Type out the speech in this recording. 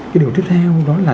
cái điều tiếp theo đó là